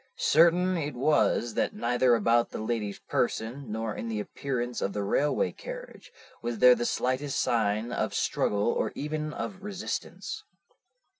Certain it was that neither about the lady's person, nor in the appearance of the railway carriage, was there the slightest sign of struggle or even of resistance.